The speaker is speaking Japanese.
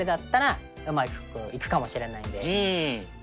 うん！